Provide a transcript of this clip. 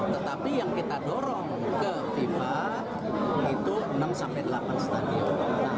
tetapi yang kita dorong ke fifa itu enam sampai delapan stadion